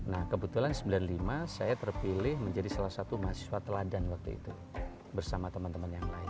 nah kebetulan sembilan puluh lima saya terpilih menjadi salah satu mahasiswa teladan waktu itu bersama teman teman yang lain